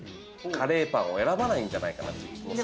カレーパンを選ばないんじゃないかなっていう気もする。